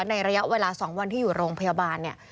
ในระยะเวลา๒วันที่อยู่โรงพยาบาล